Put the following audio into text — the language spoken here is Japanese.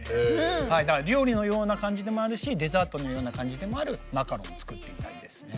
だから料理のような感じでもあるしデザートのような感じでもあるマカロンを作っていたりですね。